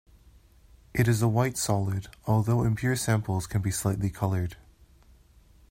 It is a white solid, although impure samples can be slightly colored.